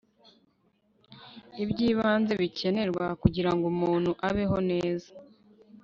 iby ibanze bikenerwa kugirango umuntu abeho neza